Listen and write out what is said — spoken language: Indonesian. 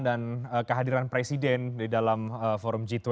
dan kehadiran presiden di dalam forum g dua puluh